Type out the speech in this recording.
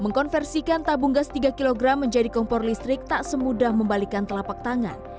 mengkonversikan tabung gas tiga kg menjadi kompor listrik tak semudah membalikan telapak tangan